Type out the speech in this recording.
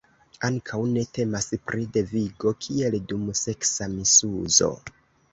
Ankaŭ ne temas pri devigo, kiel dum seksa misuzo.